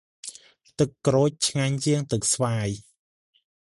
ទឹកក្រូចឆ្ងាញ់ជាង ទឹកស្វាយ។